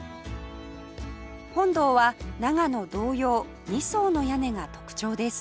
本堂は長野同様二層の屋根が特徴です